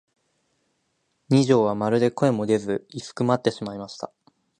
二疋はまるで声も出ず居すくまってしまいました。